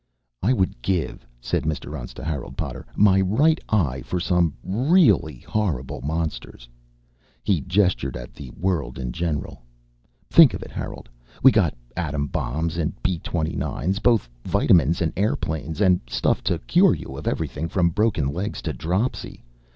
"I would give," said Mr. Untz to Harold Potter, "my right eye for some really horrible monsters." He gestured at the world in general. "Think of it, Harold. We got atom bombs and B 29's, both vitamins and airplanes, and stuff to cure you of everything from broken legs to dropsy.